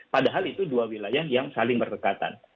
padahal itu dua wilayah yang saling berdekatan